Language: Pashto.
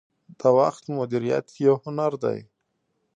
• د وخت مدیریت یو هنر دی.